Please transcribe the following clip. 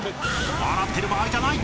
［笑ってる場合じゃない。